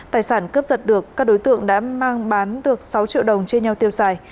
tài sản cướp giật được các đối tượng đã mang bán được sáu triệu đồng chia nhau tiêu xài